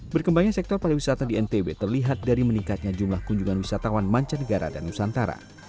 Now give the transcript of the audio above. berkembangnya sektor pariwisata di ntb terlihat dari meningkatnya jumlah kunjungan wisatawan mancanegara dan nusantara